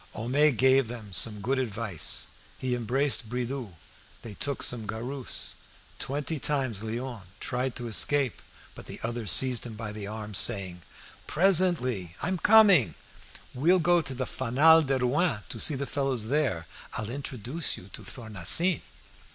Homais gave them some good advice. He embraced Bridoux; they took some garus. Twenty times Léon tried to escape, but the other seized him by the arm saying "Presently! I'm coming! We'll go to the 'Fanal de Rouen' to see the fellows there. I'll introduce you to Thornassin."